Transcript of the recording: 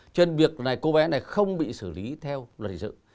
cho nên việc này cô bé này không bị xử lý theo luật hình sự